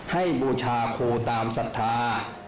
บูชาครูตามศรัทธา